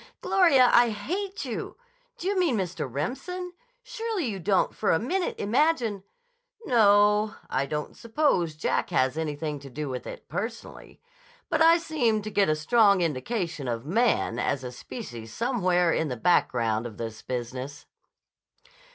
"Gloria, I hate you! D' you mean Mr. Remsen? Surely you don't for a minute imagine—" "No; I don't suppose Jack has anything to do with it, personally. But I seem to get a strong indication of Man as a species somewhere in the background of this business."